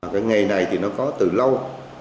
cái nghề này thì nó có từ lâu